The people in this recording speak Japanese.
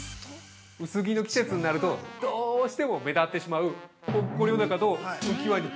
◆薄着の季節になるとどうしても目立ってしまうぽっこりおなかと浮き輪肉。